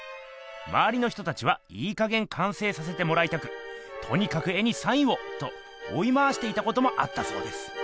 まわりの人たちはいいかげん完成させてもらいたく「とにかく絵にサインを！」とおい回していたこともあったそうです。